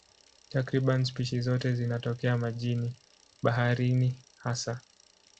Takriban spishi zote zinatokea majini, baharini hasa.